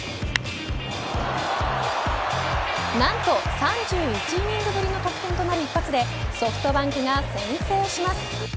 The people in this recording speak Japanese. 何と３１イニングぶりの得点となる一発でソフトバンクが先制します。